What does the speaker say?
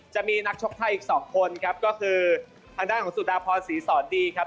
จะมีนักชกไทยอีกสองคนครับก็คือทางด้านของสุดาพรศรีสอนดีครับ